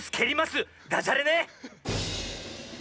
ダジャレね。